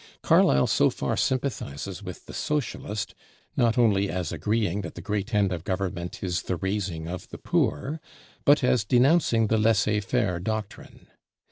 Carlyle so far sympathizes with the Socialist, not only as agreeing that the great end of government is the raising of the poor, but as denouncing the laissez faire doctrine.